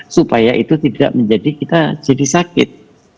supaya itu tidak menjadi kita jadi sakit